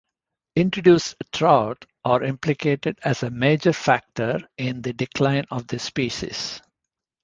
Introduced trout are implicated as a major factor in the decline of this species.